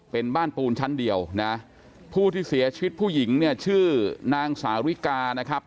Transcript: เป็นบ้านปูนชั้นเดียวนะผู้ที่เสียชีวิตผู้หญิงเนี่ยชื่อนางสาวิกานะครับ